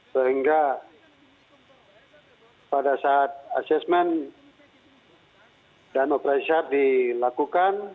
sehingga pada saat asesmen dan operasi syarat dilakukan